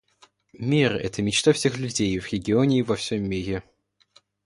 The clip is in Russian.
Мир — это мечта всех людей в регионе и во всем мире.